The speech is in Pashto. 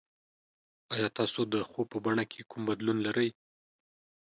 ایا تاسو د خوب په بڼه کې کوم بدلون لرئ؟